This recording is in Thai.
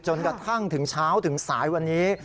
จนกระทั่งถึงเช้าถึงสายวันนี้